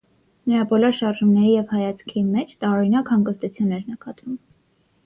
Նրա բոլոր շարժումների և հայացքի մեջ տարօրինակ հանգստություն էր նկատվում: